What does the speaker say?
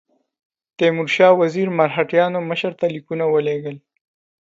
تیمورشاه وزیر مرهټیانو مشر ته لیکونه ولېږل.